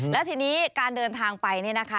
แล้วทีนี้การเดินทางไปเนี่ยนะคะ